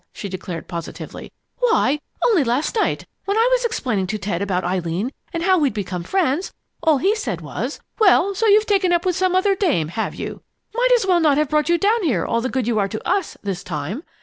she declared positively. "Why, only last night, when I was explaining to Ted about Eileen and how we'd become friends, all he said was: 'Well, so you've taken up with some other dame, have you! Might as well not have brought you down here, all the good you are to us, this time.